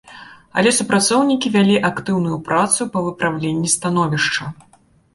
Але супрацоўнікі вялі актыўную працу па выпраўленні становішча.